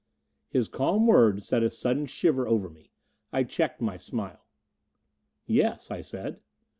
His calm words set a sudden shiver over me. I checked my smile. "Yes," I said.